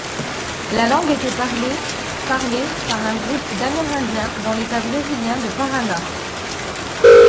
La langue était parlée parlé par un groupe d’Amérindiens dans l'État brésilien de Paraná.